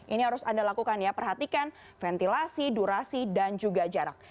ini harus anda lakukan ya perhatikan ventilasi durasi dan juga jarak